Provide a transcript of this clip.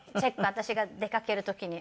私が出かける時に。